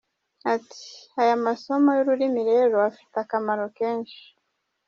Ati”Aya masomo y’ururimi rero afite akamaro kenshi.